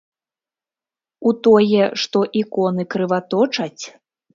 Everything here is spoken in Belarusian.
У тое, што іконы крываточаць?